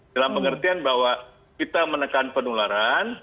dalam pengertian bahwa kita menekan penularan